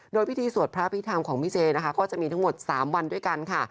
โดยพิธีสวดพระพิธรรมของพี่เจนะคะก็จะมีทั้งหมด๓วันด้วยกันค่ะ